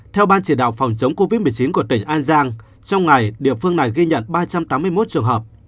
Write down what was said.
theo ban chỉ đạo phòng chống covid một mươi chín của tỉnh an giang trong ngày địa phương này ghi nhận ba trăm tám mươi một trường hợp